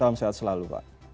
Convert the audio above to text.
salam sehat selalu